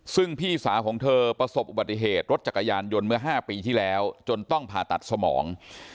ซึ่งพี่สาวของเธอประสบอุบัติเหตุรถจักรยานยนต์เมื่อ๕ปีที่แล้วจนต้องผ่าตัดสมอง